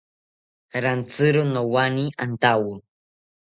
Rantziro nowani antawo